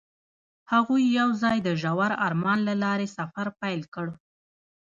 هغوی یوځای د ژور آرمان له لارې سفر پیل کړ.